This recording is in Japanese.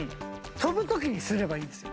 飛ぶ時にすればいいんですよ。